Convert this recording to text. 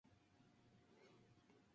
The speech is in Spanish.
Es conocido a partir de restos de dientes.